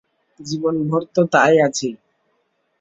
জীবনভর তো তাই আছি।